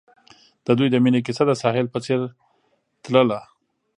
د دوی د مینې کیسه د ساحل په څېر تلله.